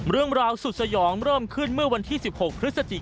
เรื่องราวสุดสยองเริ่มขึ้นเมื่อวันที่๑๖พฤศจิ